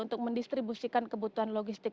untuk mendistribusikan kebutuhan logistik